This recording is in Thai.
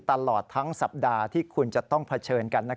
ตลอดทั้งสัปดาห์ที่คุณจะต้องเผชิญกัน